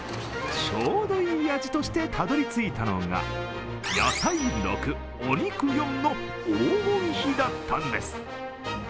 ちょうどいい味としてたどりついたのが野菜６、お肉４の黄金比だったんです。